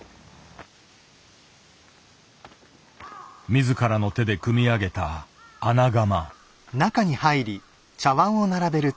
自らの手で組み上げた「穴窯」。